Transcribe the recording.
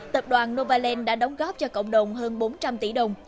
tập đoàn novaland đã đóng góp cho cộng đồng hơn bốn trăm linh tỷ đồng